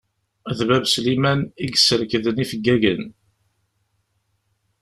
D bab Sliman i yesserkden ifeggagen.